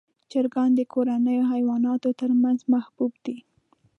چرګان د کورنیو حیواناتو تر منځ محبوب دي.